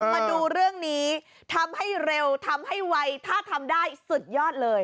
มาดูเรื่องนี้ทำให้เร็วทำให้ไวถ้าทำได้สุดยอดเลย